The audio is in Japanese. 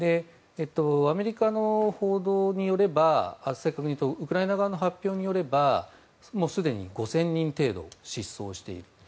アメリカの報道によれば正確に言うとウクライナ側の発表によるともうすでに５０００人程度失踪している。